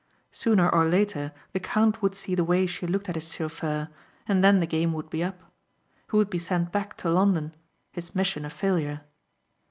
Sooner or later the count would see the way she looked at his chauffeur and then the game would be up. He would be sent back to London his mission a failure.